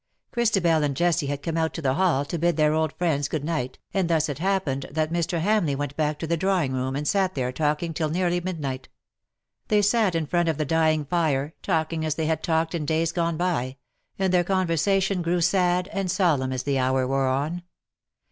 Christabel and Jessie had come out to the hall, to bid their old friends good night, and thus it happened that Mr. Hamleigh went back to the drawing room, and sat there talking till nearly midnight. They sat in front of the dying fire, talking as they had talked in days gone by — and their conversation grew sad and solemn as the hour wore on.